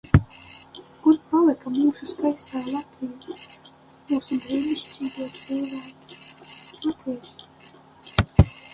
Kur palika mūsu skaistā Latvija, mūsu brīnišķīgie cilvēki latvieši?